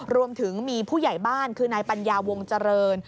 รวมถึงมีผู้ใหญ่บ้านคือนายปัญญาวงเจริญ